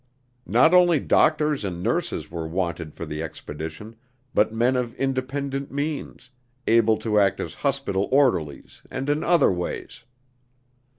Not only doctors and nurses were wanted for the expedition, but men of independent means, able to act as hospital orderlies and in other ways.